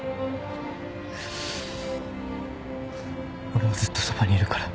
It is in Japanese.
俺はずっとそばにいるから。